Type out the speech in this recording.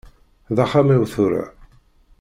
D axxam-iw tura.